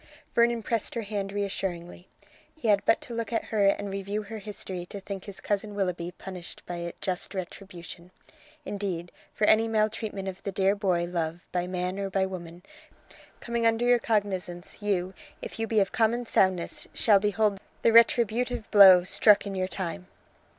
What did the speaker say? Vernon pressed her hand reassuringly. He had but to look at her and review her history to think his cousin Willoughby punished by just retribution. Indeed, for any maltreatment of the dear boy Love by man or by woman, coming under your cognizance, you, if you be of common soundness, shall behold the retributive blow struck in your time.